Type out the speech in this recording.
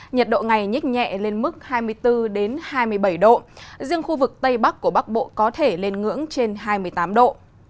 nhiệt độ ngày nhích nhẹ lên mức hai mươi bốn hai mươi bảy độ riêng khu vực tây bắc của bắc bộ có thể lên ngưỡng trên hai mươi tám độ